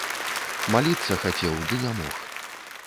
Маліцца хацеў, ды не мог.